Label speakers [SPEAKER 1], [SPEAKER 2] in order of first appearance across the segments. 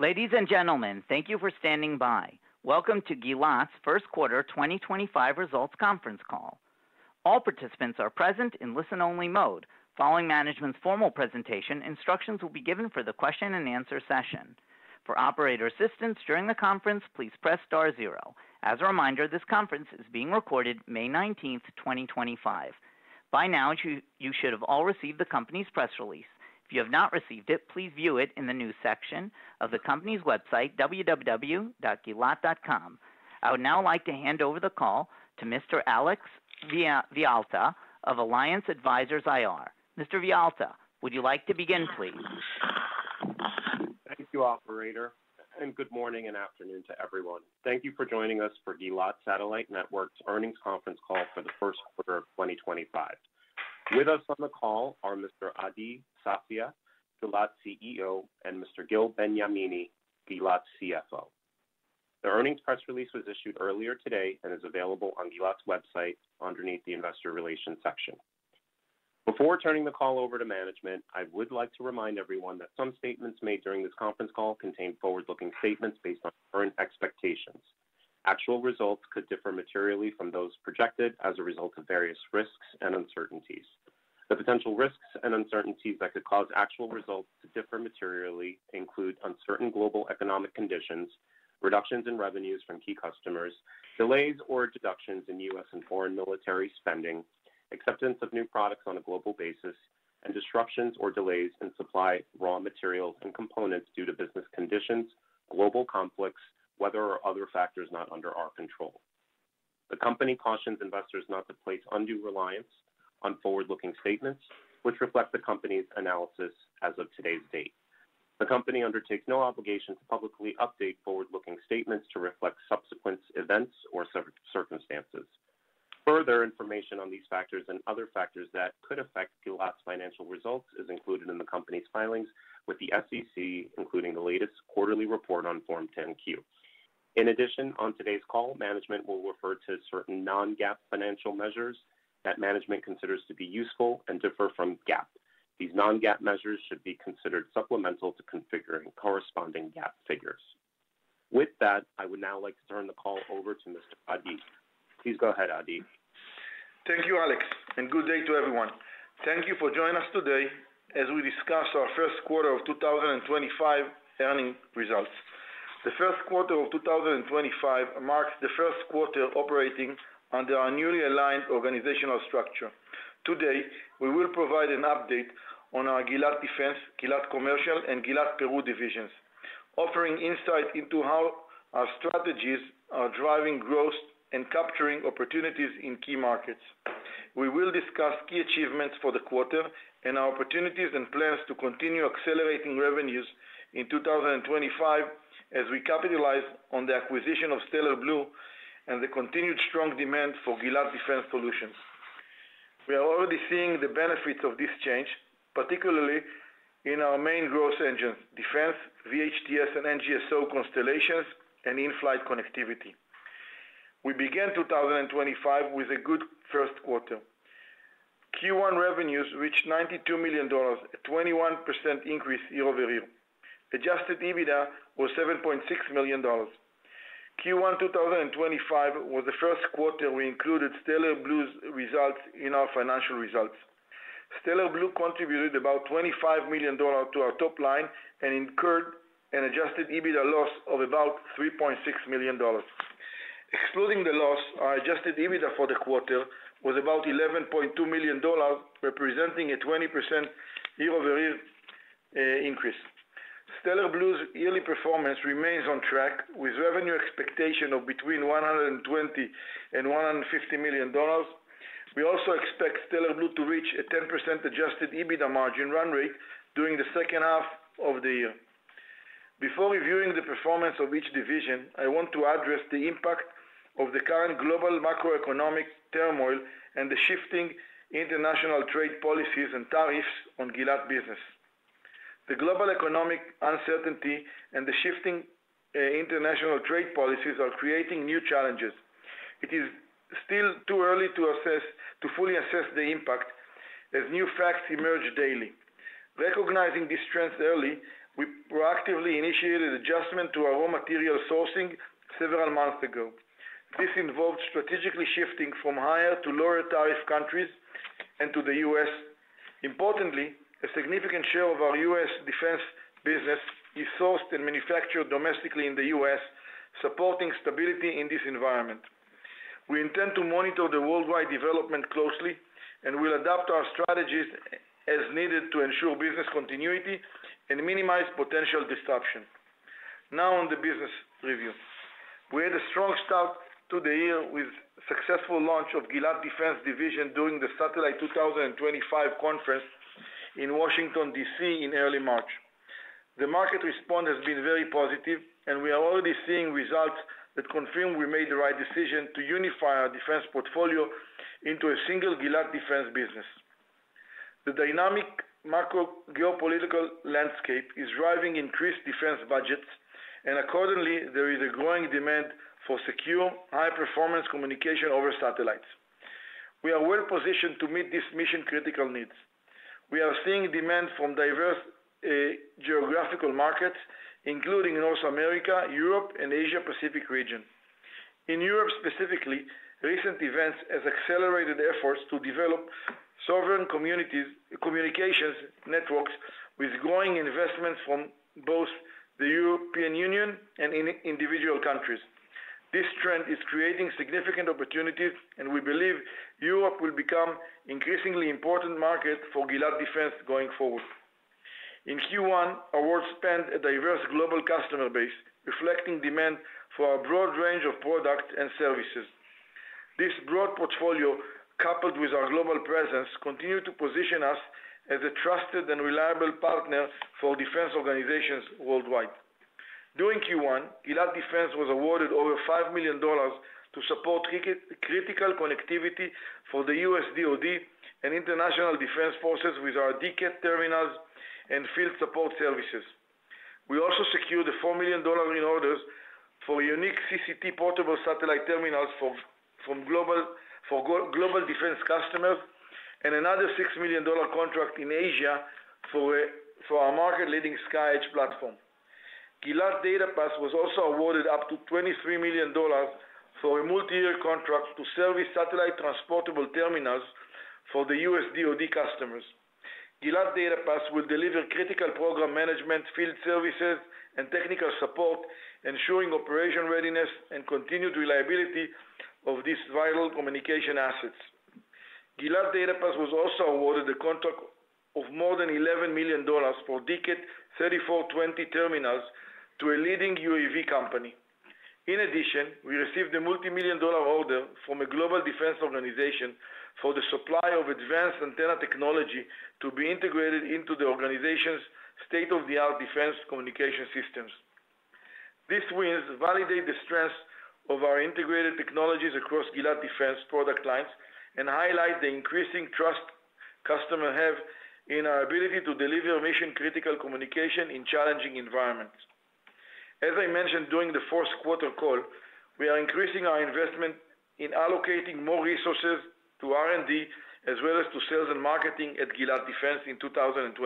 [SPEAKER 1] Ladies and gentlemen, thank you for standing by. Welcome to Gilat's first quarter 2025 results conference call. All participants are present in listen-only mode. Following management's formal presentation, instructions will be given for the question-and-answer session. For operator assistance during the conference, please press star zero. As a reminder, this conference is being recorded May 19th, 2025. By now, you should have all received the company's press release. If you have not received it, please view it in the news section of the company's website, www.gilat.com. I would now like to hand over the call to Mr. Alex Villalta of Alliance Advisors IR. Mr. Villalta, would you like to begin, please
[SPEAKER 2] Thank you, operator, and good morning and afternoon to everyone. Thank you for joining us for Gilat Satellite Networks' earnings conference call for the first quarter of 2025. With us on the call are Mr. Adi Sfadia, Gilat CEO, and Mr. Gil Benyamini, Gilat CFO. The earnings press release was issued earlier today and is available on Gilat's website underneath the investor relations section. Before turning the call over to management, I would like to remind everyone that some statements made during this conference call contain forward-looking statements based on current expectations. Actual results could differ materially from those projected as a result of various risks and uncertainties. The potential risks and uncertainties that could cause actual results to differ materially include uncertain global economic conditions, reductions in revenues from key customers, delays or reductions in U.S. and foreign military spending, acceptance of new products on a global basis, and disruptions or delays in supply of raw materials and components due to business conditions, global conflicts, weather, or other factors not under our control. The company cautions investors not to place undue reliance on forward-looking statements, which reflect the company's analysis as of today's date. The company undertakes no obligation to publicly update forward-looking statements to reflect subsequent events or circumstances. Further information on these factors and other factors that could affect Gilat's financial results is included in the company's filings with the SEC, including the latest quarterly report on Form 10-Q. In addition, on today's call, management will refer to certain non-GAAP financial measures that management considers to be useful and differ from GAAP. These non-GAAP measures should be considered supplemental to configuring corresponding GAAP figures. With that, I would now like to turn the call over to Mr. Adi. Please go ahead, Adi.
[SPEAKER 3] Thank you, Alex, and good day to everyone. Thank you for joining us today as we discuss our first quarter of 2025 earnings results. The first quarter of 2025 marks the first quarter operating under a newly aligned organizational structure. Today, we will provide an update on our Gilat Defense, Gilat Commercial, and Gilat Peru divisions, offering insight into how our strategies are driving growth and capturing opportunities in key markets. We will discuss key achievements for the quarter and our opportunities and plans to continue accelerating revenues in 2025 as we capitalize on the acquisition of Stellar Blu and the continued strong demand for Gilat Defense solutions. We are already seeing the benefits of this change, particularly in our main growth engines: defense, VHTS, and NGSO constellations, and in-flight connectivity. We began 2025 with a good first quarter. Q1 revenues reached $92 million, a 21% increase year-over-year. Adjusted EBITDA was $7.6 million. Q1 2025 was the first quarter we included Stellar Blu's results in our financial results. Stellar Blu contributed about $25 million to our top line and incurred an adjusted EBITDA loss of about $3.6 million. Excluding the loss, our adjusted EBITDA for the quarter was about $11.2 million, representing a 20% year-over-year increase. Stellar Blu's yearly performance remains on track, with revenue expectation of between $120 million and $150 million. We also expect Stellar Blu to reach a 10% adjusted EBITDA margin run rate during the second half of the year. Before reviewing the performance of each division, I want to address the impact of the current global macroeconomic turmoil and the shifting international trade policies and tariffs on Gilat business. The global economic uncertainty and the shifting international trade policies are creating new challenges. It is still too early to fully assess the impact as new facts emerge daily. Recognizing these trends early, we proactively initiated adjustment to our raw material sourcing several months ago. This involved strategically shifting from higher to lower tariff countries and to the U.S. Importantly, a significant share of our U.S. defense business is sourced and manufactured domestically in the U.S., supporting stability in this environment. We intend to monitor the worldwide development closely and will adapt our strategies as needed to ensure business continuity and minimize potential disruption. Now, on the business review, we had a strong start to the year with the successful launch of the Gilat Defense Division during the Satellite 2025 conference in Washington, D.C., in early March. The market response has been very positive, and we are already seeing results that confirm we made the right decision to unify our defense portfolio into a single Gilat Defense business. The dynamic macro-geopolitical landscape is driving increased defense budgets, and accordingly, there is a growing demand for secure, high-performance communication over satellites. We are well-positioned to meet this mission-critical need. We are seeing demand from diverse geographical markets, including North America, Europe, and the Asia-Pacific region. In Europe specifically, recent events have accelerated efforts to develop sovereign communications networks with growing investments from both the European Union and individual countries. This trend is creating significant opportunities, and we believe Europe will become an increasingly important market for Gilat Defense going forward. In Q1, our world spanned a diverse global customer base, reflecting demand for a broad range of products and services. This broad portfolio, coupled with our global presence, continues to position us as a trusted and reliable partner for defense organizations worldwide. During Q1, Gilat Defense was awarded over $5 million to support critical connectivity for the USDOD and international defense forces with our DCAT terminals and field support services. We also secured $4 million in orders for unique CCT portable satellite terminals from global defense customers and another $6 million contract in Asia for our market-leading SkyEdge platform. Gilat Datapass was also awarded up to $23 million for a multi-year contract to service satellite transportable terminals for the USDOD customers. Gilat Datapass will deliver critical program management, field services, and technical support, ensuring operation readiness and continued reliability of these vital communication assets. Gilat Datapass was also awarded a contract of more than $11 million for DCAT 3420 terminals to a leading UAV company. In addition, we received a multi-million dollar order from a global defense organization for the supply of advanced antenna technology to be integrated into the organization's state-of-the-art defense communication systems. These wins validate the strengths of our integrated technologies across Gilat Defense product lines and highlight the increasing trust customers have in our ability to deliver mission-critical communication in challenging environments. As I mentioned during the fourth quarter call, we are increasing our investment in allocating more resources to R&D as well as to sales and marketing at Gilat Defense in 2025.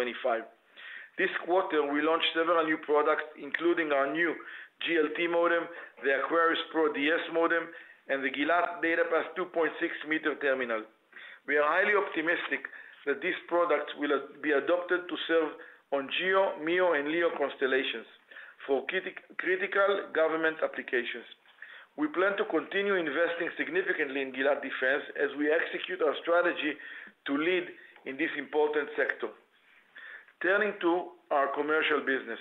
[SPEAKER 3] This quarter, we launched several new products, including our new GLT modem, the Aquarius Pro DS modem, and the Gilat Datapass 2.6 meter terminal. We are highly optimistic that these products will be adopted to serve on GEO, MEO, and LEO constellations for critical government applications. We plan to continue investing significantly in Gilat Defense as we execute our strategy to lead in this important sector. Turning to our commercial business,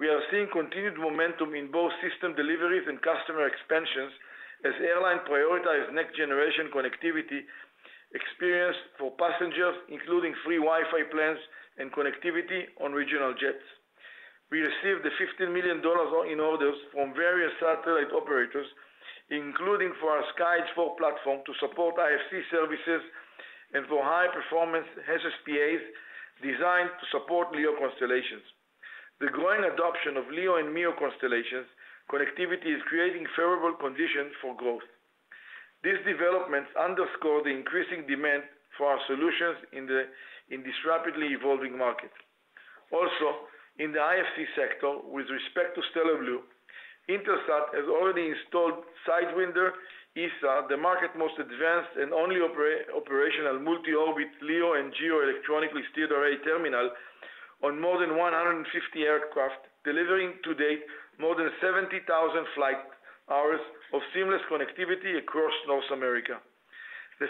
[SPEAKER 3] we are seeing continued momentum in both system deliveries and customer expansions as airlines prioritize next-generation connectivity experience for passengers, including free Wi-Fi plans and connectivity on regional jets. We received $15 million in orders from various satellite operators, including for our SkyEdge 4 platform to support IFC services and for high-performance SSPAs designed to support LEO constellations. The growing adoption of LEO and MEO constellations connectivity is creating favorable conditions for growth. These developments underscore the increasing demand for our solutions in this rapidly evolving market. Also, in the IFC sector, with respect to Stellar Blu, Intelsat has already installed Sidewinder ESA, the market's most advanced and only operational multi-orbit LEO and GEO electronically steered array terminal on more than 150 aircraft, delivering to date more than 70,000 flight hours of seamless connectivity across North America. The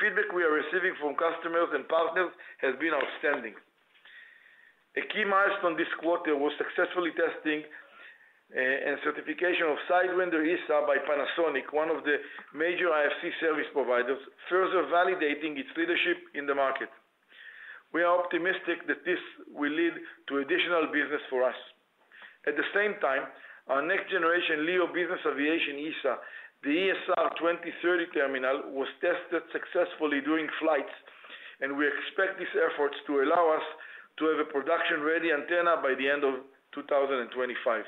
[SPEAKER 3] feedback we are receiving from customers and partners has been outstanding. A key milestone this quarter was successfully testing and certification of Sidewinder ESA by Panasonic, one of the major IFC service providers, further validating its leadership in the market. We are optimistic that this will lead to additional business for us. At the same time, our next-generation LEO business aviation ESA, the ESR 2030 terminal, was tested successfully during flights, and we expect these efforts to allow us to have a production-ready antenna by the end of 2025.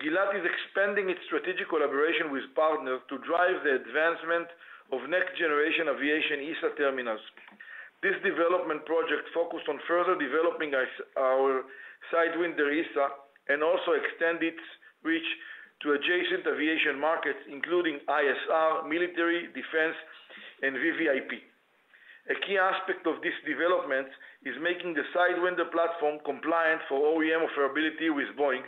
[SPEAKER 3] Gilat is expanding its strategic collaboration with partners to drive the advancement of next-generation aviation ESA terminals. This development project focused on further developing our Sidewinder ESA and also extended its reach to adjacent aviation markets, including ISR, military, defense, and VVIP. A key aspect of this development is making the Sidewinder platform compliant for OEM affordability with Boeing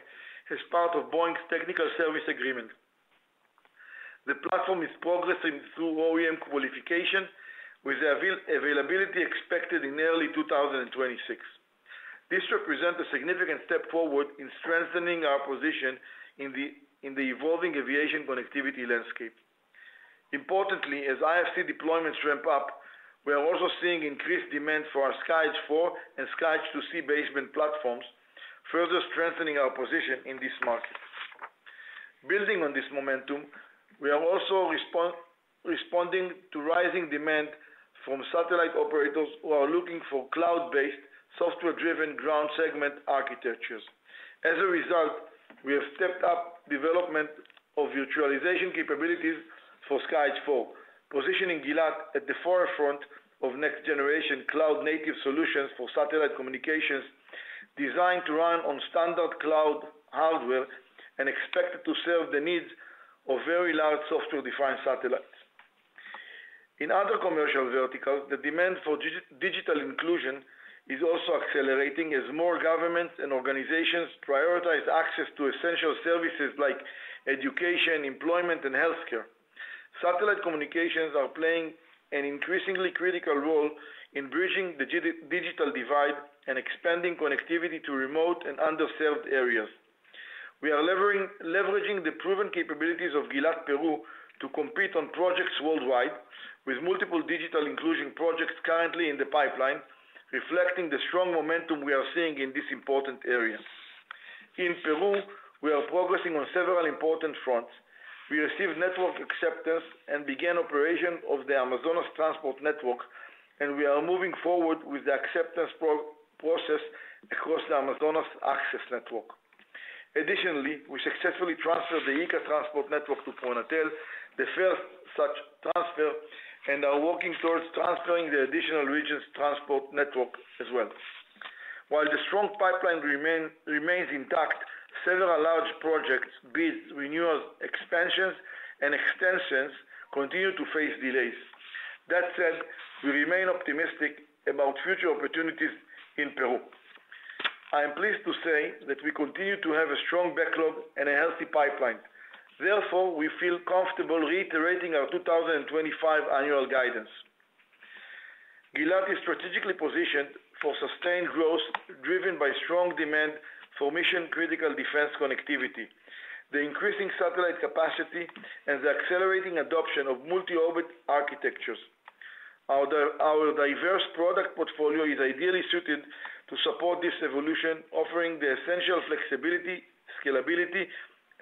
[SPEAKER 3] as part of Boeing's technical service agreement. The platform is progressing through OEM qualification, with availability expected in early 2026. This represents a significant step forward in strengthening our position in the evolving aviation connectivity landscape. Importantly, as IFC deployments ramp up, we are also seeing increased demand for our SkyEdge 4 and SkyEdge 2C basement platforms, further strengthening our position in this market. Building on this momentum, we are also responding to rising demand from satellite operators who are looking for cloud-based, software-driven ground segment architectures. As a result, we have stepped up development of virtualization capabilities for SkyEdge 4, positioning Gilat at the forefront of next-generation cloud-native solutions for satellite communications designed to run on standard cloud hardware and expected to serve the needs of very large software-defined satellites. In other commercial verticals, the demand for digital inclusion is also accelerating as more governments and organizations prioritize access to essential services like education, employment, and healthcare. Satellite communications are playing an increasingly critical role in bridging the digital divide and expanding connectivity to remote and underserved areas. We are leveraging the proven capabilities of Gilat Peru to compete on projects worldwide, with multiple digital inclusion projects currently in the pipeline, reflecting the strong momentum we are seeing in this important area. In Peru, we are progressing on several important fronts. We received network acceptance and began operation of the Amazonas Transport Network, and we are moving forward with the acceptance process across the Amazonas Access Network. Additionally, we successfully transferred the ICA Transport Network to Pronatel, the first such transfer, and are working towards transferring the additional Regions Transport Network as well. While the strong pipeline remains intact, several large projects, bids, renewals, expansions, and extensions continue to face delays. That said, we remain optimistic about future opportunities in Peru. I am pleased to say that we continue to have a strong backlog and a healthy pipeline. Therefore, we feel comfortable reiterating our 2025 annual guidance. Gilat is strategically positioned for sustained growth driven by strong demand for mission-critical defense connectivity, the increasing satellite capacity, and the accelerating adoption of multi-orbit architectures. Our diverse product portfolio is ideally suited to support this evolution, offering the essential flexibility, scalability,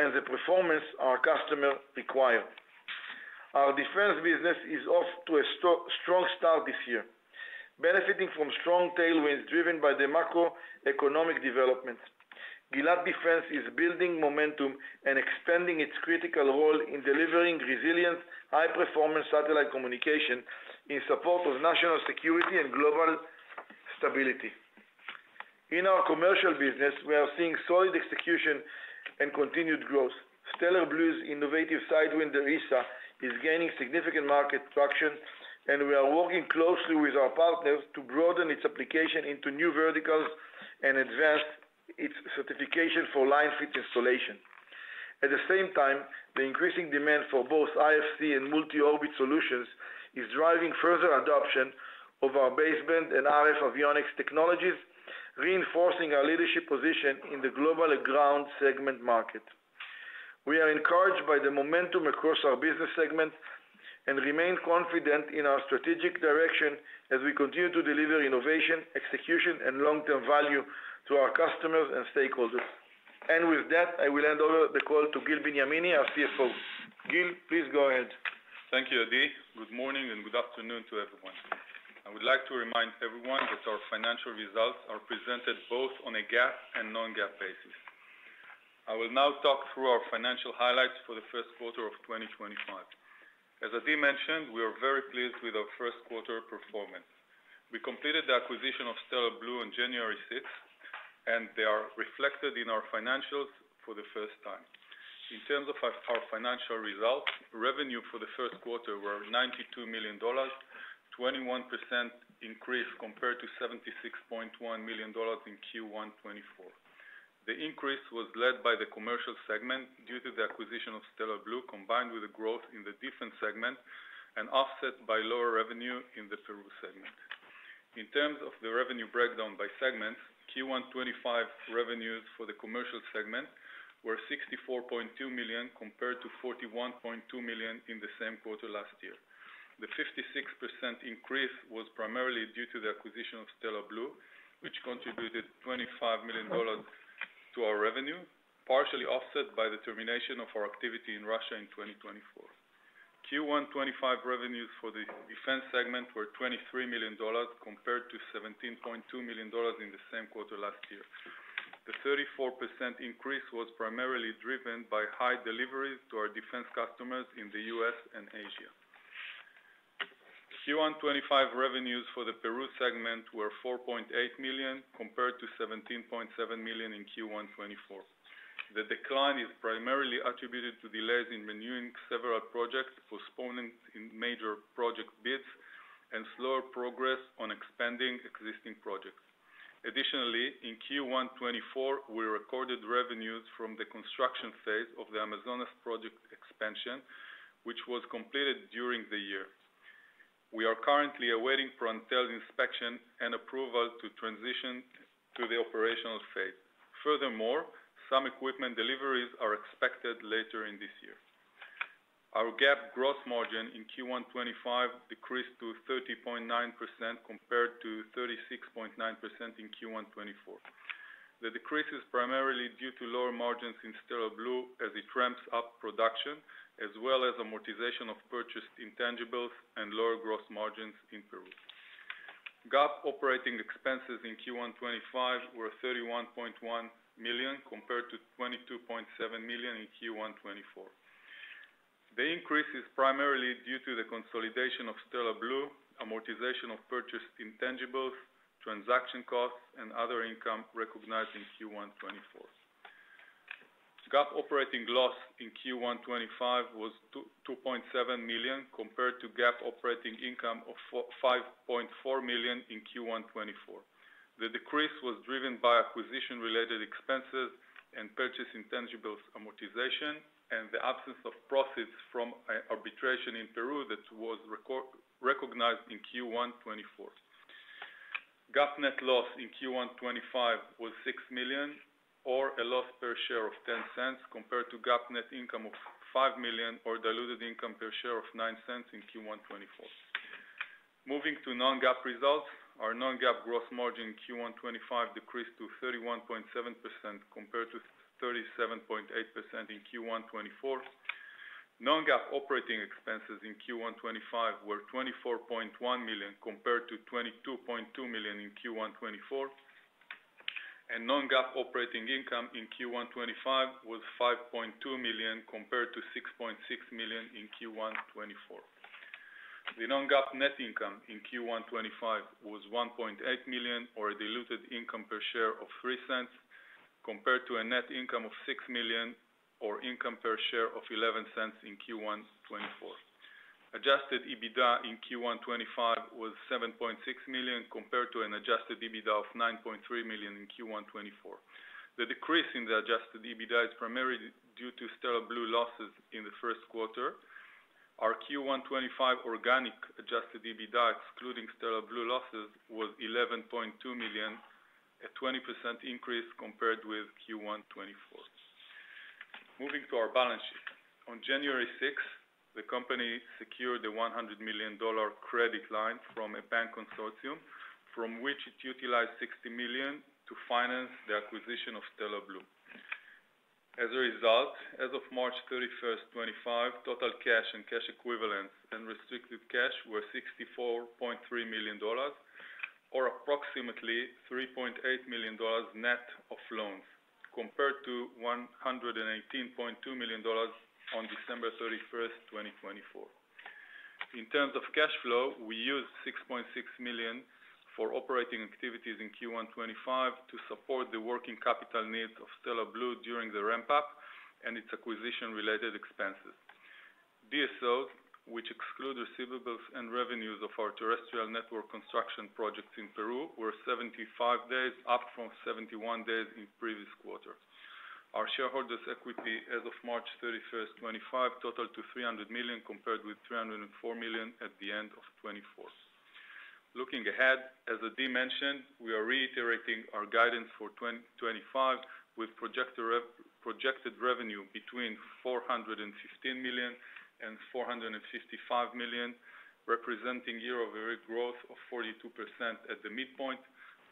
[SPEAKER 3] and the performance our customers require. Our defense business is off to a strong start this year, benefiting from strong tailwinds driven by the macroeconomic developments. Gilat Defense is building momentum and expanding its critical role in delivering resilient, high-performance satellite communication in support of national security and global stability. In our commercial business, we are seeing solid execution and continued growth. Stellar Blu's innovative Sidewinder ESA is gaining significant market traction, and we are working closely with our partners to broaden its application into new verticals and advance its certification for line fit installation. At the same time, the increasing demand for both IFC and multi-orbit solutions is driving further adoption of our basement and RF avionics technologies, reinforcing our leadership position in the global ground segment market. We are encouraged by the momentum across our business segment and remain confident in our strategic direction as we continue to deliver innovation, execution, and long-term value to our customers and stakeholders. With that, I will hand over the call to Gil Benyamini, our CFO. Gil, please go ahead.
[SPEAKER 4] Thank you, Adi. Good morning and good afternoon to everyone. I would like to remind everyone that our financial results are presented both on a GAAP and non-GAAP basis. I will now talk through our financial highlights for the first quarter of 2025. As Adi mentioned, we are very pleased with our first quarter performance. We completed the acquisition of Stellar Blu on January 6, and they are reflected in our financials for the first time. In terms of our financial results, revenue for the first quarter was $92 million, a 21% increase compared to $76.1 million in Q1 2024. The increase was led by the commercial segment due to the acquisition of Stellar Blu, combined with the growth in the defense segment and offset by lower revenue in the Peru segment. In terms of the revenue breakdown by segments, Q1 2025 revenues for the commercial segment were $64.2 million compared to $41.2 million in the same quarter last year. The 56% increase was primarily due to the acquisition of Stellar Blu, which contributed $25 million to our revenue, partially offset by the termination of our activity in Russia in 2024. Q1 2025 revenues for the defense segment were $23 million compared to $17.2 million in the same quarter last year. The 34% increase was primarily driven by high deliveries to our defense customers in the U.S. and Asia-Pacific. Q1 2025 revenues for the Peru segment were $4.8 million compared to $17.7 million in Q1 2024. The decline is primarily attributed to delays in renewing several projects, postponements in major project bids, and slower progress on expanding existing projects. Additionally, in Q1 2024, we recorded revenues from the construction phase of the Amazonas project expansion, which was completed during the year. We are currently awaiting Pronatel's inspection and approval to transition to the operational phase. Furthermore, some equipment deliveries are expected later in this year. Our GAAP gross margin in Q1 2025 decreased to 30.9% compared to 36.9% in Q1 2024. The decrease is primarily due to lower margins in Stellar Blu as it ramps up production, as well as amortization of purchased intangibles and lower gross margins in Peru. GAAP operating expenses in Q1 2025 were $31.1 million compared to $22.7 million in Q1 2024. The increase is primarily due to the consolidation of Stellar Blu, amortization of purchased intangibles, transaction costs, and other income recognized in Q1 2024. GAAP operating loss in Q1 2025 was $2.7 million compared to GAAP operating income of $5.4 million in Q1 2024. The decrease was driven by acquisition-related expenses and purchase intangibles amortization, and the absence of profits from arbitration in Peru that was recognized in Q1 2024. GAAP net loss in Q1 2025 was $6 million, or a loss per share of $0.10, compared to GAAP net income of $5 million, or diluted income per share of $0.09 in Q1 2024. Moving to non-GAAP results, our non-GAAP gross margin in Q1 2025 decreased to 31.7% compared to 37.8% in Q1 2024. Non-GAAP operating expenses in Q1 2025 were $24.1 million compared to $22.2 million in Q1 2024, and non-GAAP operating income in Q1 2025 was $5.2 million compared to $6.6 million in Q1 2024. The non-GAAP net income in Q1 2025 was $1.8 million, or a diluted income per share of $0.03, compared to a net income of $6 million, or income per share of $0.11 in Q1 2024. Adjusted EBITDA in Q1 2025 was $7.6 million, compared to an adjusted EBITDA of $9.3 million in Q1 2024. The decrease in the adjusted EBITDA is primarily due to Stellar Blu losses in the first quarter. Our Q1 2025 organic adjusted EBITDA, excluding Stellar Blu losses, was $11.2 million, a 20% increase compared with Q1 2024. Moving to our balance sheet, on January 6, the company secured a $100 million credit line from a bank consortium, from which it utilized $60 million to finance the acquisition of Stellar Blu. As a result, as of March 31, 2025, total cash and cash equivalents and restricted cash were $64.3 million, or approximately $3.8 million net of loans, compared to $118.2 million on December 31, 2024. In terms of cash flow, we used $6.6 million for operating activities in Q1 2025 to support the working capital needs of Stellar Blu during the ramp-up and its acquisition-related expenses. DSOs, which exclude receivables and revenues of our terrestrial network construction projects in Peru, were 75 days, up from 71 days in the previous quarter. Our shareholders' equity, as of March 31, 2025, totaled $300 million compared with $304 million at the end of 2024. Looking ahead, as Adi mentioned, we are reiterating our guidance for 2025, with projected revenue between $415 million and $455 million, representing year-over-year growth of 42% at the midpoint.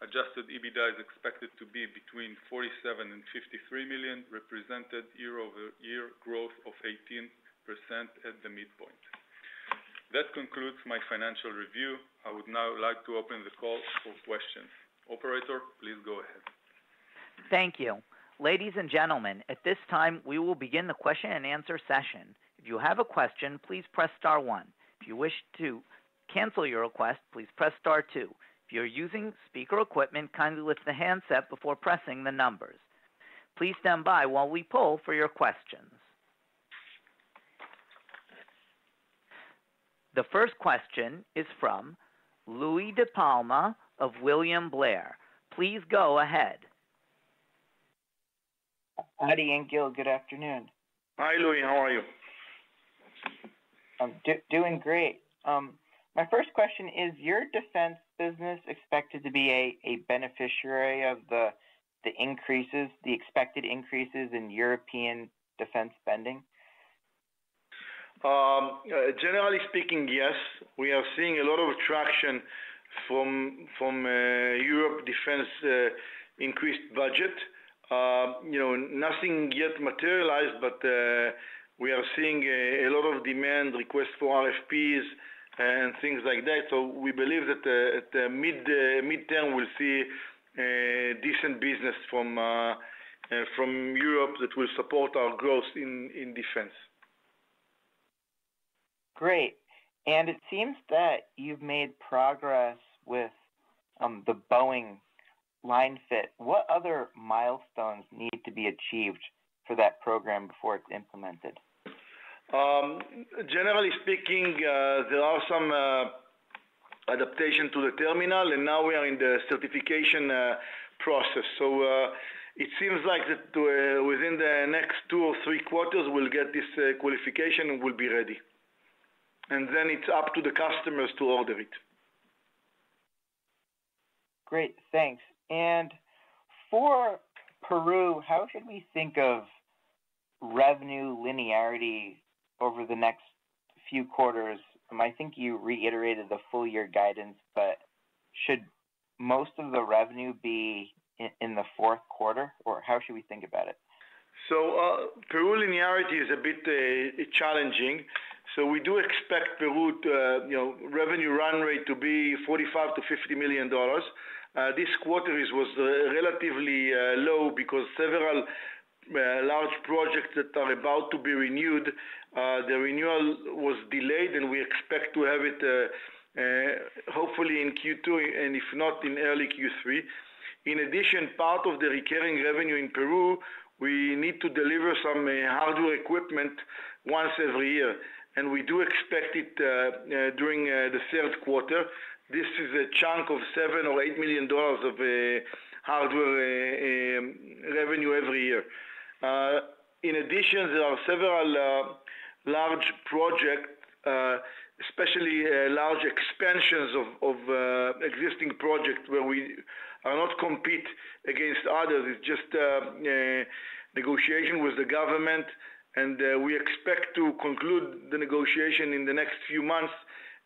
[SPEAKER 4] Adjusted EBITDA is expected to be between $47 million and $53 million, representing year-over-year growth of 18% at the midpoint. That concludes my financial review. I would now like to open the call for questions. Operator, please go ahead.
[SPEAKER 1] Thank you. Ladies and gentlemen, at this time, we will begin the question-and-answer session. If you have a question, please press star one. If you wish to cancel your request, please press star two. If you're using speaker equipment, kindly lift the handset before pressing the numbers. Please stand by while we pull for your questions. The first question is from Louis De Palma of William Blair. Please go ahead.
[SPEAKER 5] Adi and Gil, good afternoon.
[SPEAKER 3] Hi, Louis. How are you?
[SPEAKER 5] Doing great. My first question is, is your defense business expected to be a beneficiary of the increases, the expected increases in European defense spending?
[SPEAKER 3] Generally speaking, yes. We are seeing a lot of traction from Europe's defense increased budget. Nothing yet materialized, but we are seeing a lot of demand, requests for RFPs and things like that. We believe that at midterm, we'll see decent business from Europe that will support our growth in defense.
[SPEAKER 5] Great. It seems that you've made progress with the Boeing line fit. What other milestones need to be achieved for that program before it's implemented?
[SPEAKER 3] Generally speaking, there are some adaptations to the terminal, and now we are in the certification process. It seems like within the next two or three quarters, we'll get this qualification and we'll be ready. Then it's up to the customers to order it.
[SPEAKER 5] Great. Thanks. For Peru, how should we think of revenue linearity over the next few quarters? I think you reiterated the full-year guidance, but should most of the revenue be in the fourth quarter? Or how should we think about it?
[SPEAKER 3] Peru linearity is a bit challenging. We do expect Peru's revenue run rate to be $45-$50 million. This quarter was relatively low because several large projects that are about to be renewed, the renewal was delayed, and we expect to have it hopefully in Q2, and if not, in early Q3. In addition, part of the recurring revenue in Peru, we need to deliver some hardware equipment once every year. We do expect it during the third quarter. This is a chunk of $7 or $8 million of hardware revenue every year. In addition, there are several large projects, especially large expansions of existing projects where we are not competing against others. It's just negotiation with the government, and we expect to conclude the negotiation in the next few months,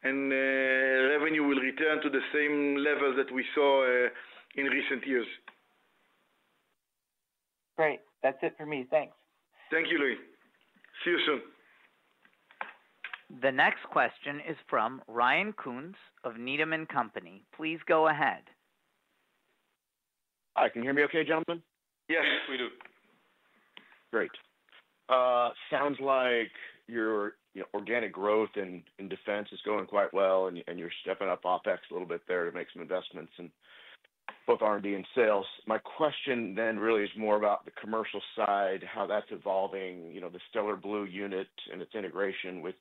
[SPEAKER 3] and revenue will return to the same levels that we saw in recent years.
[SPEAKER 5] Great. That's it for me. Thanks. Thank you, Louis. See you soon.
[SPEAKER 1] The next question is from Ryan Koontz of Needham & Company. Please go ahead.
[SPEAKER 6] Hi, can you hear me okay, gentlemen?
[SPEAKER 3] Yes, we do.
[SPEAKER 6] Great. Sounds like your organic growth in defense is going quite well, and you're stepping up OpEx a little bit there to make some investments in both R&D and sales. My question then really is more about the commercial side, how that's evolving, the Stellar Blu unit and its integration with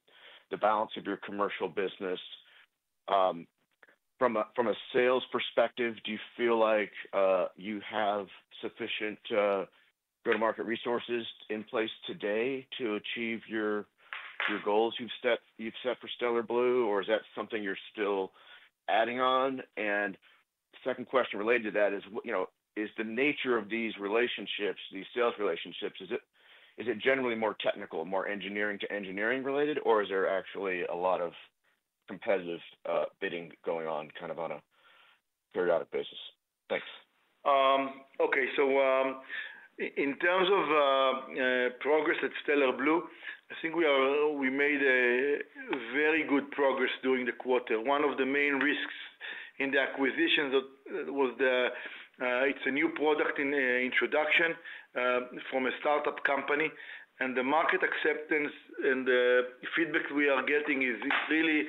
[SPEAKER 6] the balance of your commercial business. From a sales perspective, do you feel like you have sufficient go-to-market resources in place today to achieve your goals you've set for Stellar Blu, or is that something you're still adding on? The second question related to that is, is the nature of these relationships, these sales relationships, is it generally more technical, more engineering-to-engineering related, or is there actually a lot of competitive bidding going on kind of on a periodic basis? Thanks.
[SPEAKER 3] Okay. In terms of progress at Stellar Blu, I think we made very good progress during the quarter. One of the main risks in the acquisition was that it's a new product introduction from a startup company, and the market acceptance and the feedback we are getting is really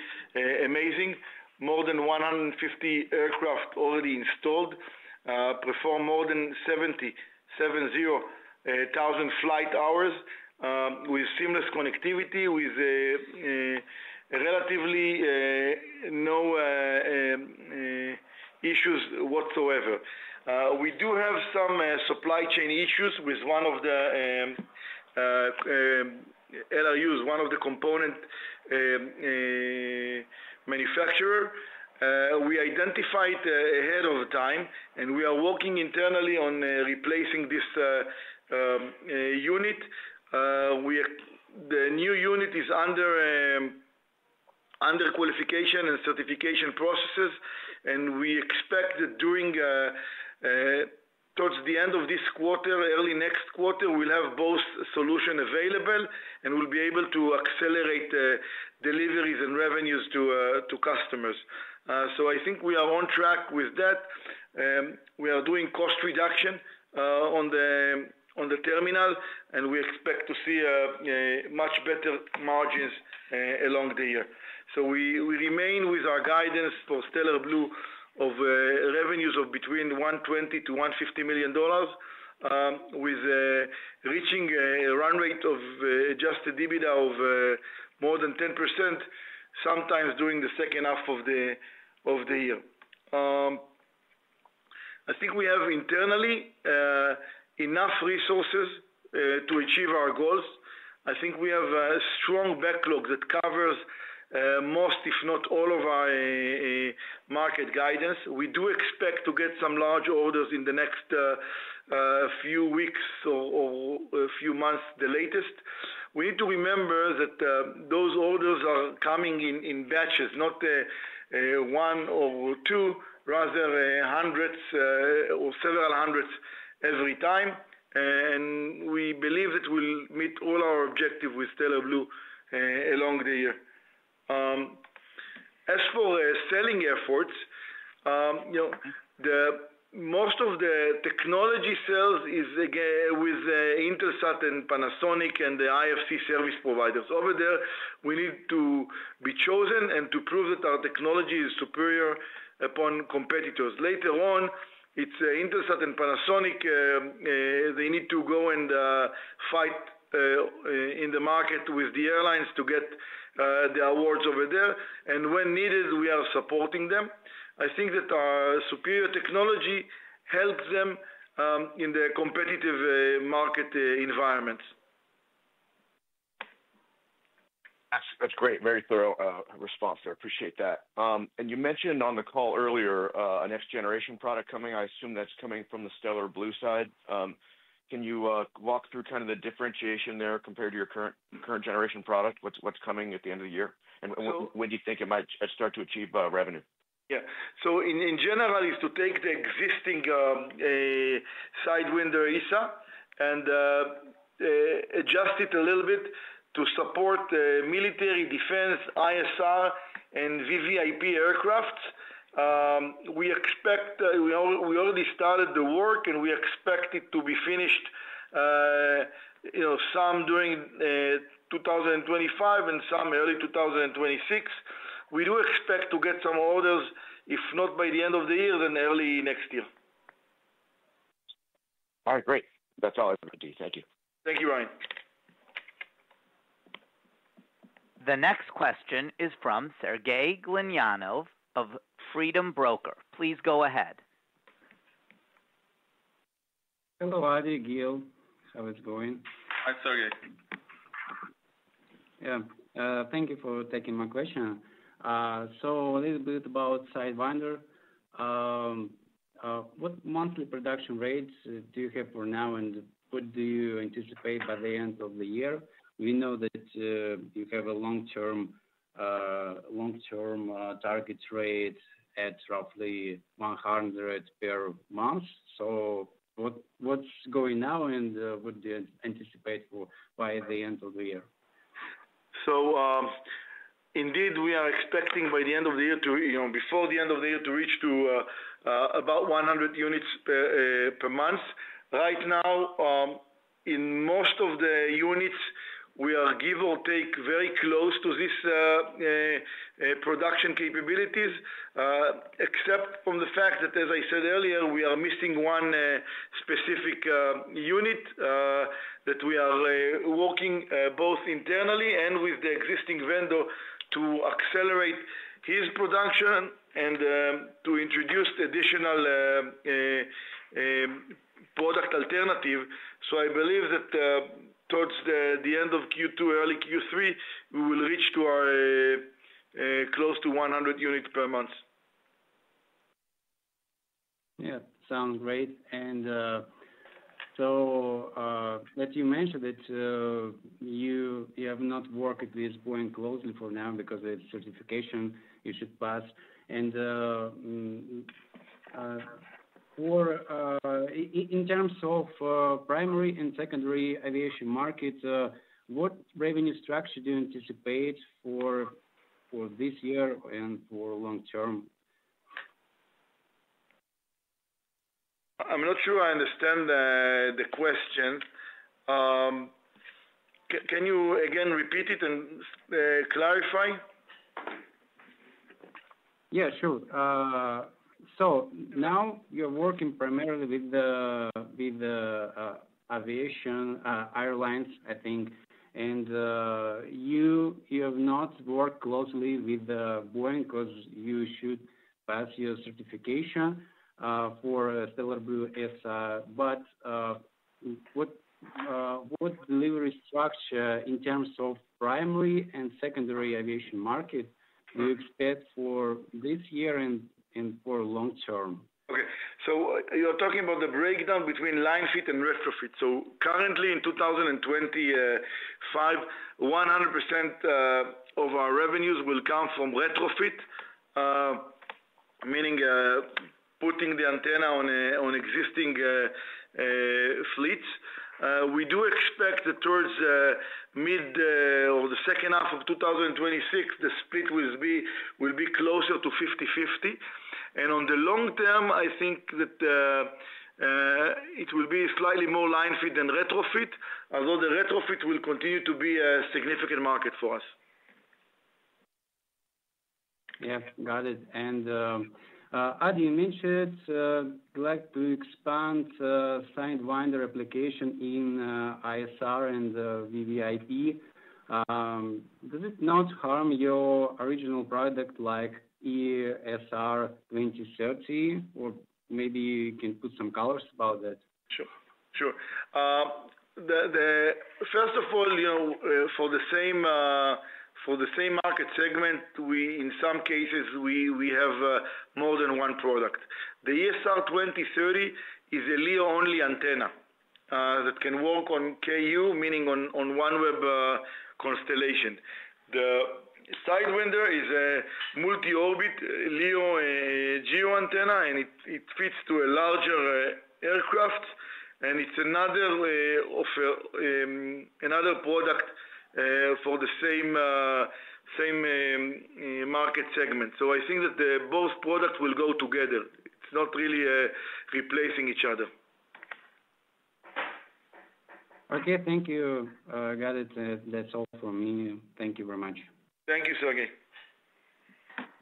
[SPEAKER 3] amazing. More than 150 aircraft already installed, perform more than 70,000 flight hours with seamless connectivity, with relatively no issues whatsoever. We do have some supply chain issues with one of the LRUs, one of the component manufacturers. We identified ahead of time, and we are working internally on replacing this unit. The new unit is under qualification and certification processes, and we expect that towards the end of this quarter, early next quarter, we'll have both solutions available, and we'll be able to accelerate deliveries and revenues to customers. I think we are on track with that. We are doing cost reduction on the terminal, and we expect to see much better margins along the year. We remain with our guidance for Stellar Blu of revenues of between $120 million-$150 million, with reaching a run rate of adjusted EBITDA of more than 10% sometime during the second half of the year. I think we have internally enough resources to achieve our goals. I think we have a strong backlog that covers most, if not all, of our market guidance. We do expect to get some large orders in the next few weeks or a few months the latest. We need to remember that those orders are coming in batches, not one or two, rather hundreds or several hundreds every time. We believe that we'll meet all our objectives with Stellar Blu along the year. As for selling efforts, most of the technology sales is with Intelsat and Panasonic and the IFC service providers. Over there, we need to be chosen and to prove that our technology is superior upon competitors. Later on, it's Intelsat and Panasonic. They need to go and fight in the market with the airlines to get the awards over there. When needed, we are supporting them. I think that our superior technology helps them in the competitive market environments.
[SPEAKER 6] That's great. Very thorough response. I appreciate that. You mentioned on the call earlier a next-generation product coming. I assume that's coming from the Stellar Blu side. Can you walk through kind of the differentiation there compared to your current generation product? What's coming at the end of the year? When do you think it might start to achieve revenue?
[SPEAKER 3] Yeah. In general, it's to take the existing Sidewinder ESA and adjust it a little bit to support military defense, ISR, and VVIP aircraft. We already started the work, and we expect it to be finished some during 2025 and some early 2026. We do expect to get some orders, if not by the end of the year, then early next year.
[SPEAKER 6] All right. Great. That's all I have for today. Thank you.
[SPEAKER 3] Thank you, Ryan.
[SPEAKER 1] The next question is from Sergey Glinyanov of Freedom Broker. Please go ahead.
[SPEAKER 7] Hello, Adi. Gil. How's it going?
[SPEAKER 4] Hi, Sergey.
[SPEAKER 7] Yeah. Thank you for taking my question. So a little bit about Sidewinder. What monthly production rates do you have for now, and what do you anticipate by the end of the year? We know that you have a long-term target rate at roughly 100 per month. What is going now, and what do you anticipate by the end of the year?
[SPEAKER 3] Indeed, we are expecting by the end of the year, before the end of the year, to reach to about 100 units per month. Right now, in most of the units, we are, give or take, very close to these production capabilities, except from the fact that, as I said earlier, we are missing one specific unit that we are working both internally and with the existing vendor to accelerate his production and to introduce additional product alternatives. I believe that towards the end of Q2, early Q3, we will reach to close to 100 units per month.
[SPEAKER 7] Yeah. Sounds great. You mentioned that you have not worked with this point closely for now because of the certification you should pass. In terms of primary and secondary aviation markets, what revenue structure do you anticipate for this year and for long-term?
[SPEAKER 3] I'm not sure I understand the question. Can you again repeat it and clarify?
[SPEAKER 7] Yeah, sure. Now you're working primarily with aviation airlines, I think, and you have not worked closely with Boeing because you should pass your certification for Stellar Blu ESA. What delivery structure in terms of primary and secondary aviation market do you expect for this year and for long-term? Okay.
[SPEAKER 3] You're talking about the breakdown between line fit and retrofit. Currently, in 2025, 100% of our revenues will come from retrofit, meaning putting the antenna on existing fleets. We do expect that towards mid or the second half of 2026, the split will be closer to 50/50. On the long term, I think that it will be slightly more line fit than retrofit, although the retrofit will continue to be a significant market for us.
[SPEAKER 7] Yeah. Got it. Adi, you mentioned you'd like to expand Sidewinder application in ISR and VVIP. Does it not harm your original product like ESR 2030? Or maybe you can put some colors about that.
[SPEAKER 3] Sure. Sure. First of all, for the same market segment, in some cases, we have more than one product. The ESR 2030 is a LEO-only antenna that can work on KU, meaning on OneWeb constellation. The Sidewinder is a multi-orbit LEO GEO antenna and it fits to a larger aircraft. And it's another product for the same market segment. So I think that both products will go together. It's not really replacing each other.
[SPEAKER 7] Okay. Thank you. Got it. That's all from me. Thank you very much.
[SPEAKER 3] Thank you, Sergey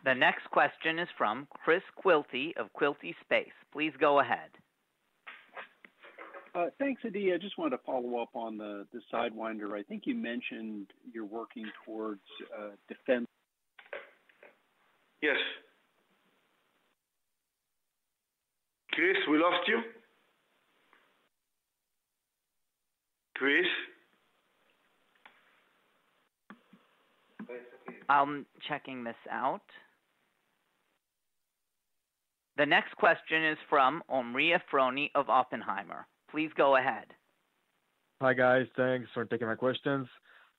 [SPEAKER 1] The next question is from Chris Quilty of Quilty Space. Please go ahead.
[SPEAKER 7] Thanks, Adi. I just wanted to follow up on the Sidewinder. I think you mentioned you're working towards defense.
[SPEAKER 3] Yes. Chris, we lost you. Chris?
[SPEAKER 1] I'm checking this out. The next question is from Omri Efroni of Oppenheimer. Please go ahead.
[SPEAKER 8] Hi guys. Thanks for taking my questions.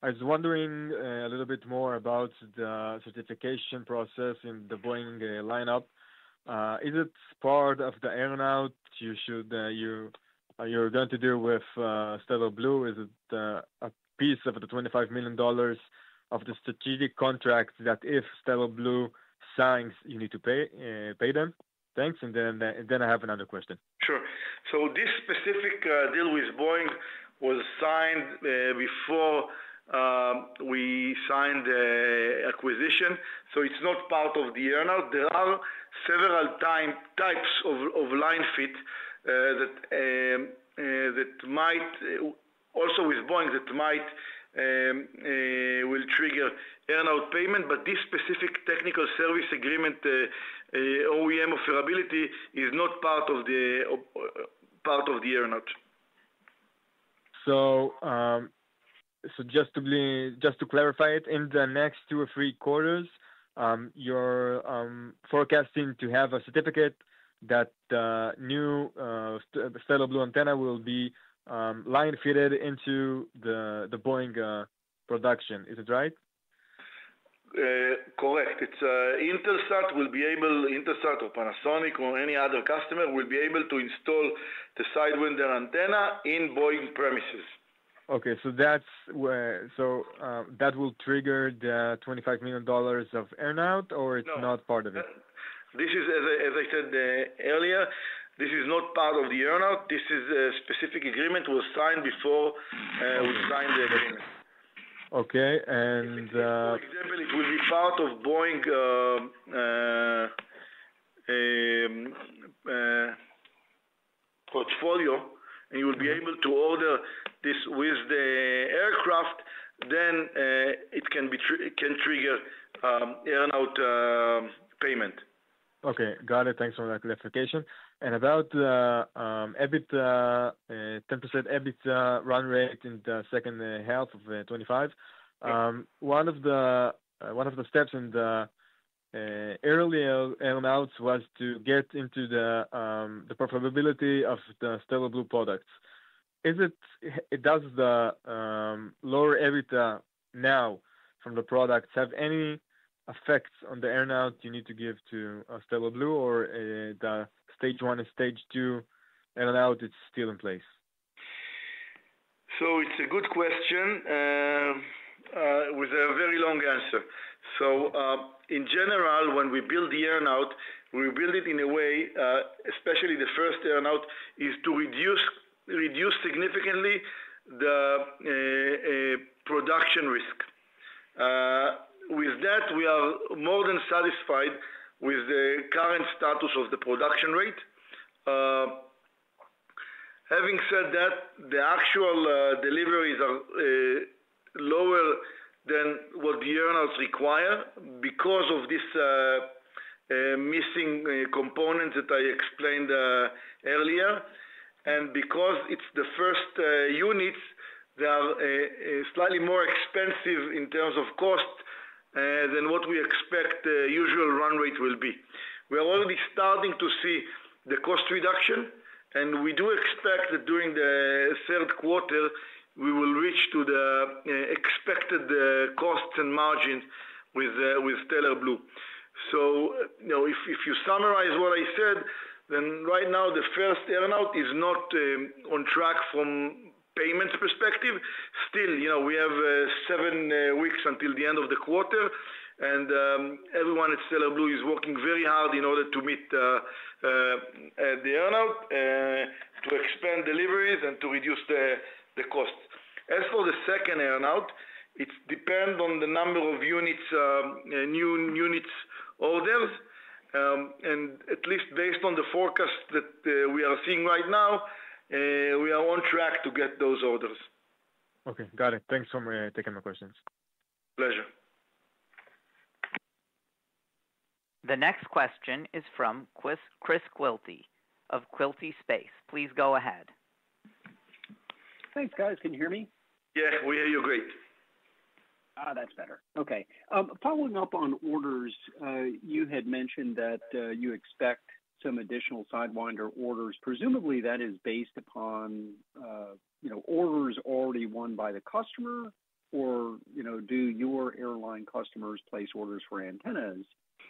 [SPEAKER 8] I was wondering a little bit more about the certification process in the Boeing lineup. Is it part of the earnout you're going to do with Stellar Blu? Is it a piece of the $25 million of the strategic contract that if Stellar Blu signs, you need to pay them? Thanks. I have another question.
[SPEAKER 3] Sure. This specific deal with Boeing was signed before we signed the acquisition. It's not part of the earnout. There are several types of line fit that might, also with Boeing, that might trigger earnout payment. This specific technical service agreement, OEM affordability, is not part of the earnout.
[SPEAKER 8] Just to clarify it, in the next two or three quarters, you're forecasting to have a certificate that the new Stellar Blu antenna will be line fitted into the Boeing production. Is it right?
[SPEAKER 3] Correct. Intelsat will be able—Intelsat or Panasonic or any other customer—will be able to install the Sidewinder antenna in Boeing premises.
[SPEAKER 8] Okay. That will trigger the $25 million of earnout, or it's not part of it?
[SPEAKER 3] As I said earlier, this is not part of the earnout. This specific agreement was signed before we signed the agreement. Okay. For example, it will be part of Boeing portfolio, and you will be able to order this with the aircraft. Then it can trigger earnout payment.
[SPEAKER 8] Okay. Got it. Thanks for that clarification. About 10% EBITDA run rate in the second half of 2025, one of the steps in the early earnouts was to get into the profitability of the Stellar Blu products. Does the lower EBITDA now from the products have any effects on the earnout you need to give to Stellar Blu, or the stage one and stage two earnout is still in place?
[SPEAKER 3] It is a good question with a very long answer. In general, when we build the earnout, we build it in a way, especially the first earnout, to reduce significantly the production risk. With that, we are more than satisfied with the current status of the production rate. Having said that, the actual deliveries are lower than what the earnouts require because of this missing component that I explained earlier. Because it's the first units, they are slightly more expensive in terms of cost than what we expect the usual run rate will be. We are already starting to see the cost reduction, and we do expect that during the third quarter, we will reach the expected costs and margins with Stellar Blu. If you summarize what I said, right now, the first earnout is not on track from a payments perspective. Still, we have seven weeks until the end of the quarter, and everyone at Stellar Blu is working very hard in order to meet the earnout, to expand deliveries, and to reduce the cost. As for the second earnout, it depends on the number of new units orders. At least based on the forecast that we are seeing right now, we are on track to get those orders.
[SPEAKER 8] Okay. Got it. Thanks for taking my questions.
[SPEAKER 3] Pleasure.
[SPEAKER 1] The next question is from Chris Quilty of Quilty Space. Please go ahead.
[SPEAKER 9] Thanks, guys. Can you hear me?
[SPEAKER 3] Yeah. We hear you great.
[SPEAKER 9] That's better. Okay. Following up on orders, you had mentioned that you expect some additional Sidewinder orders. Presumably, that is based upon orders already won by the customer, or do your airline customers place orders for antennas?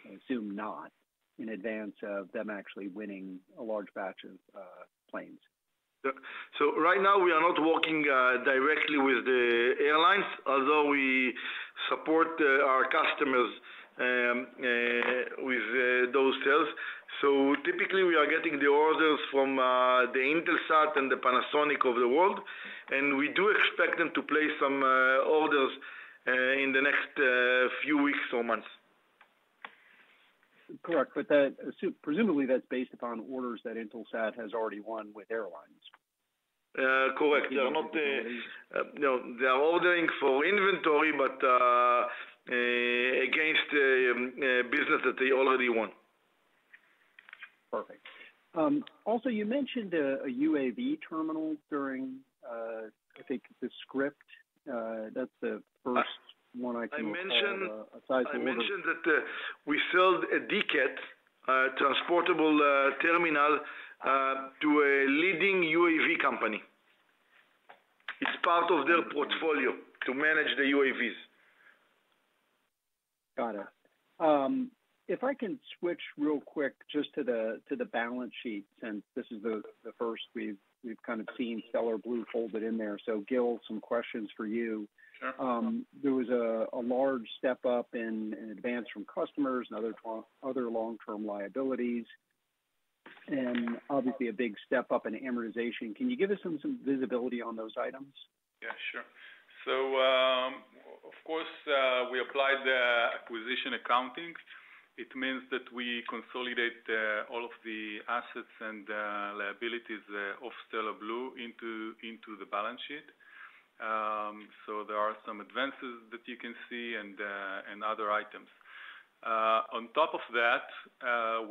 [SPEAKER 9] I assume not in advance of them actually winning a large batch of planes.
[SPEAKER 3] Right now, we are not working directly with the airlines, although we support our customers with those sales. Typically, we are getting the orders from the Intelsat and the Panasonic of the world, and we do expect them to place some orders in the next few weeks or months.
[SPEAKER 9] Correct. Presumably, that's based upon orders that Intelsat has already won with airlines.
[SPEAKER 3] Correct. They are ordering for inventory, but against the business that they already won.
[SPEAKER 9] Perfect. Also, youmentioned a UAV terminal during, I think, the script. That's the first one I can recall.
[SPEAKER 3] I mentioned that we sold a DCAT, transportable terminal, to a leading UAV company. It's part of their portfolio to manage the UAVs.
[SPEAKER 9] Got it. If I can switch real quick just to the balance sheet, since this is the first we've kind of seen Stellar Blu folded in there. So Gil, some questions for you. There was a large step up in advance from customers and other long-term liabilities, and obviously, a big step up in amortization. Can you give us some visibility on those items?
[SPEAKER 4] Yeah. Sure. Of course, we applied the acquisition accounting. It means that we consolidate all of the assets and liabilities of Stellar Blu into the balance sheet. There are some advances that you can see and other items. On top of that,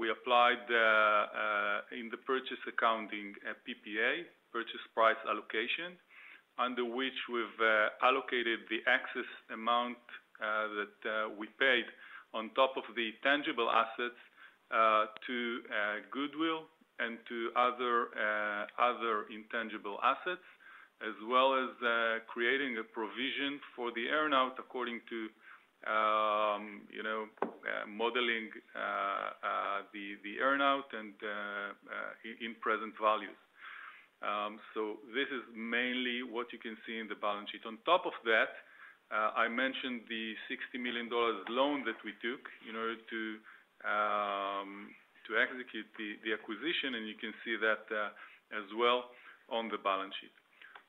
[SPEAKER 4] we applied in the purchase accounting a PPA, purchase price allocation, under which we've allocated the excess amount that we paid on top of the tangible assets to Goodwill and to other intangible assets, as well as creating a provision for the earnout according to modeling the earnout and in present values. This is mainly what you can see in the balance sheet. On top of that, I mentioned the $60 million loan that we took in order to execute the acquisition, and you can see that as well on the balance sheet.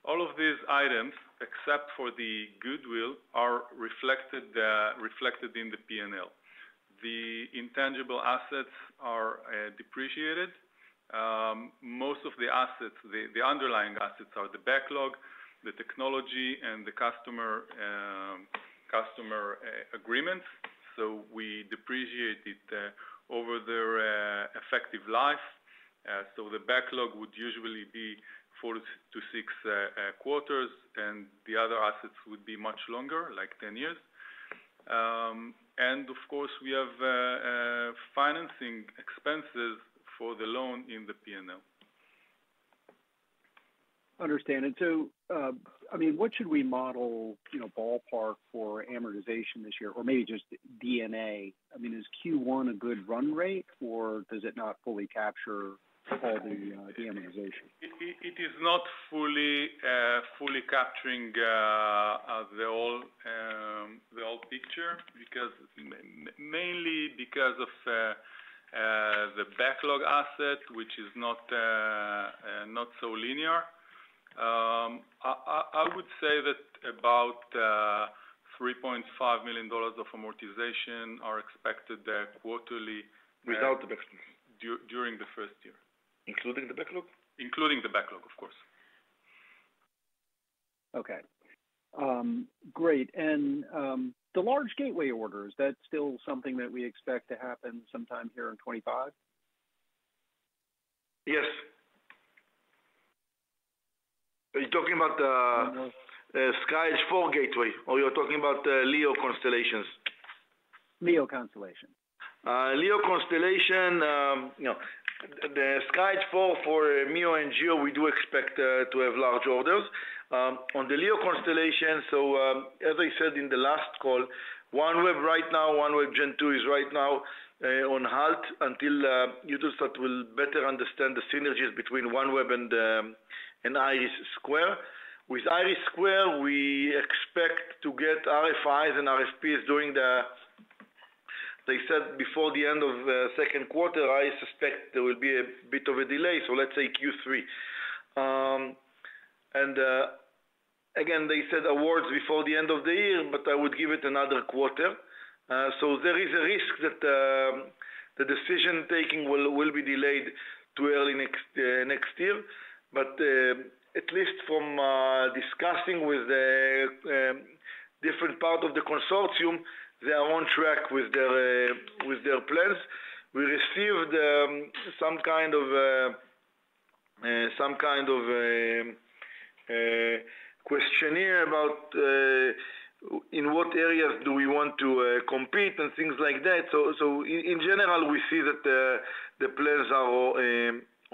[SPEAKER 4] All of these items, except for the Goodwill, are reflected in the P&L. The intangible assets are depreciated. Most of the underlying assets are the backlog, the technology, and the customer agreements. We depreciate it over their effective life. The backlog would usually be four to six quarters, and the other assets would be much longer, like 10 years. Of course, we have financing expenses for the loan in the P&L.
[SPEAKER 9] Understand. What should we model ballpark for amortization this year? Or maybe just D&A. Is Q1 a good run rate, or does it not fully capture all the amortization?
[SPEAKER 4] It is not fully capturing the whole picture mainly because of the backlog asset, which is not so linear. I would say that about $3.5 million of amortization are expected quarterly. Without the backlog? During the first year.
[SPEAKER 9] Including the backlog?
[SPEAKER 4] Including the backlog, of course.
[SPEAKER 9] Great. The large gateway orders, is that still something that we expect to happen sometime here in 2025?
[SPEAKER 3] Yes. Are you talking about SkyEdge 4 gateway, or you're talking about LEO constellations?
[SPEAKER 9] LEO constellation.
[SPEAKER 3] LEO constellation. No. The SkyEdge 4 for MEO and GEO, we do expect to have large orders. On the LEO constellation, as I said in the last call, OneWeb right now, OneWeb Gen2 is right now on halt until Intelsat will better understand the synergies between OneWeb and IRIS². With IRIS², we expect to get RFIs and RFPs during the, they said, before the end of the second quarter. I suspect there will be a bit of a delay. Let's say Q3. They said awards before the end of the year, but I would give it another quarter. There is a risk that the decision-making will be delayed to early next year. At least from discussing with different parts of the consortium, they are on track with their plans. We received some kind of questionnaire about in what areas do we want to compete and things like that. In general, we see that the plans are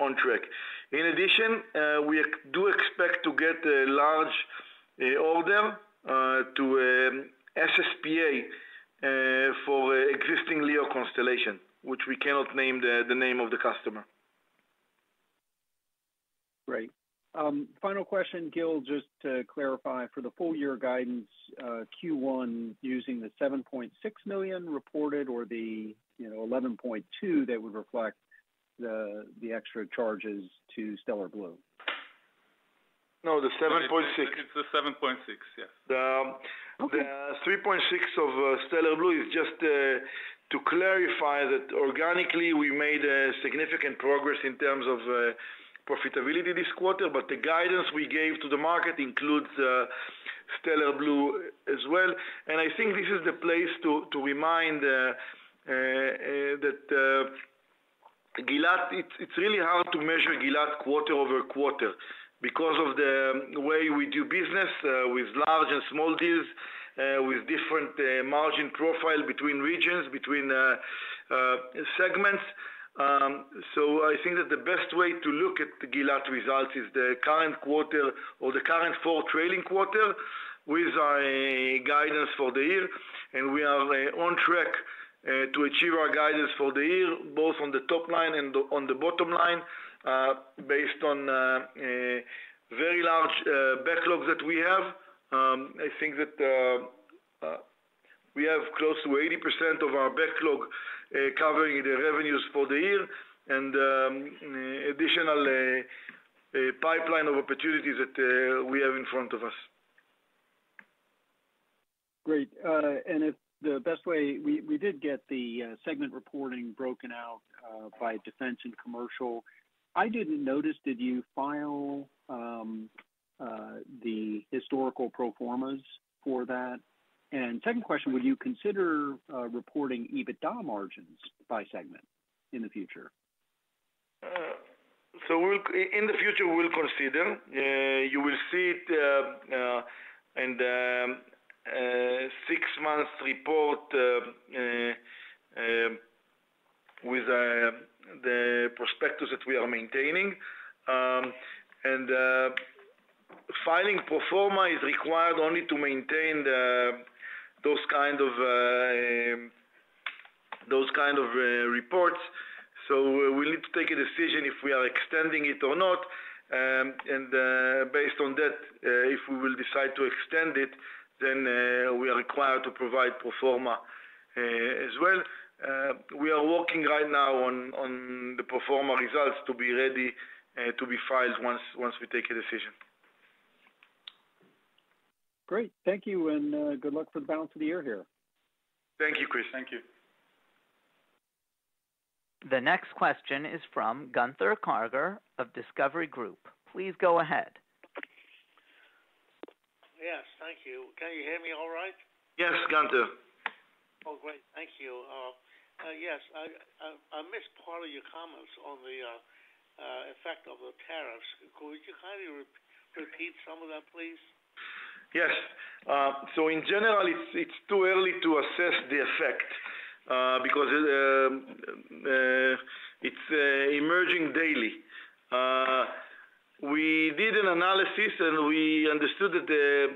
[SPEAKER 3] on track. In addition, we do expect to get a large order to SSPA for existing LEO constellation, which we cannot name the name of the customer.
[SPEAKER 9] Great. Final question, Gil, just to clarify, for the full-year guidance, Q1 using the $7.6 million reported or the $11.2 million that would reflect the extra charges to Stellar Blu?
[SPEAKER 4] No, the $7.6 million.
[SPEAKER 3] It's the $7.6 million, yes.
[SPEAKER 4] The $3.6 million of Stellar Blu is just to clarify that organically, we made significant progress in terms of profitability this quarter, but the guidance we gave to the market includes Stellar Blu as well.
[SPEAKER 3] I think this is the place to remind that it's really hard to measure Gilat quarter over quarter because of the way we do business with large and small deals, with different margin profile between regions, between segments. I think that the best way to look at Gilat results is the current quarter or the current four trailing quarter with our guidance for the year. We are on track to achieve our guidance for the year, both on the top line and on the bottom line, based on very large backlogs that we have. I think that we have close to 80% of our backlog covering the revenues for the year and additional pipeline of opportunities that we have in front of us. Great. The best way we did get the segment reporting broken out by defense and commercial, I did not notice, did you file the historical proformas for that? Second question, would you consider reporting EBITDA margins by segment in the future? In the future, we will consider. You will see it in the six-month report with the prospectus that we are maintaining. Filing proforma is required only to maintain those kind of reports. We need to take a decision if we are extending it or not. Based on that, if we decide to extend it, then we are required to provide proforma as well. We are working right now on the proforma results to be ready to be filed once we take a decision. Great. Thank you. Good luck for the balance of the year here. Thank you, Chris. Thank you.
[SPEAKER 1] The next question is from Gunther Karger of Discovery Group. Please go ahead.
[SPEAKER 10] Yes. Thank you. Can you hear me all right?
[SPEAKER 3] Yes, Gunther.
[SPEAKER 10] Oh, great. Thank you. Yes. I missed part of your comments on the effect of the tariffs. Could you kindly repeat some of that, please?
[SPEAKER 3] Yes. In general, it's too early to assess the effect because it's emerging daily. We did an analysis, and we understood that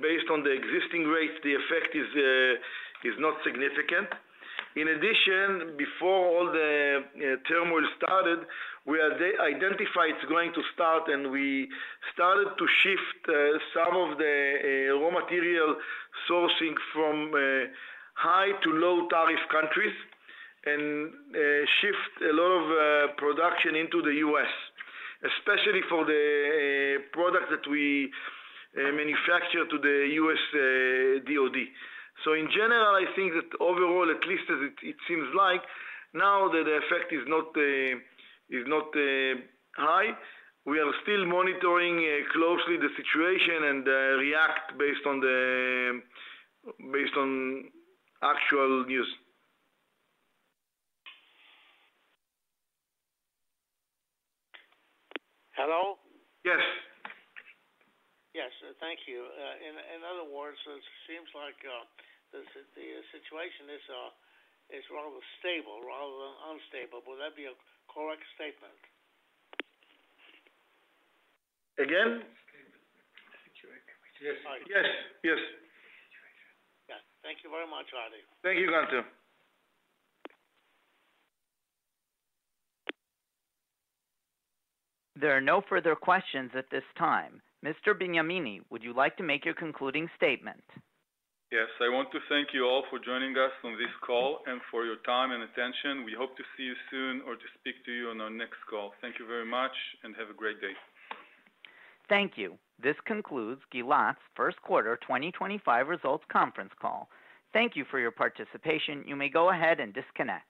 [SPEAKER 3] based on the existing rates, the effect is not significant. In addition, before all the turmoil started, we identified it's going to start, and we started to shift some of the raw material sourcing from high to low tariff countries and shift a lot of production into the U.S., especially for the products that we manufacture to the U.S. DOD. In general, I think that overall, at least it seems like, now that the effect is not high, we are still monitoring closely the situation and react based on actual news.
[SPEAKER 10] Hello?
[SPEAKER 3] Yes.
[SPEAKER 10] Yes. Thank you. In other words, it seems like the situation is rather stable, rather than unstable. Would that be a correct statement?
[SPEAKER 3] Yes. Yes. Thank you very much, Adi. Thank you, Gunther.
[SPEAKER 1] There are no further questions at this time. Mr. Benyamini, would you like to make your concluding statement?
[SPEAKER 4] Yes. I want to thank you all for joining us on this call and for your time and attention. We hope to see you soon or to speak to you on our next call. Thank you very much, and have a great day.
[SPEAKER 1] Thank you. This concludes Gilat's first quarter 2025 results conference call. Thank you for your participation. You may go ahead and disconnect.